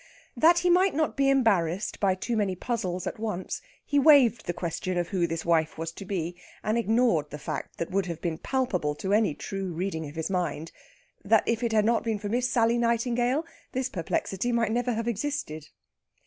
That he might not be embarrassed by too many puzzles at once, he waived the question of who this wife was to be, and ignored the fact that would have been palpable to any true reading of his mind, that if it had not been for Miss Sally Nightingale this perplexity might never have existed.